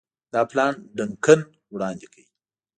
دا پلان ډنکن وړاندي کړ.